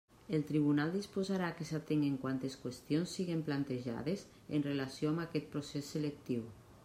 El tribunal disposarà que s'atenguen quantes qüestions siguen plantejades en relació amb aquest procés selectiu.